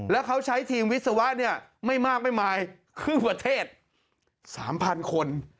แล้วเขาใช้ทีมวิศวะเนี่ยไม่มากไม่มายครึ่งประเทศ๓๐๐คน